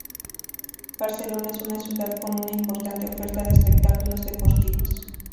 Barcelona es una ciudad con una importante oferta de espectáculos deportivos.